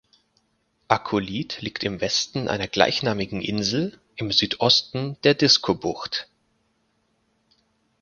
Akulliit liegt im Westen einer gleichnamigen Insel im Südosten der Diskobucht.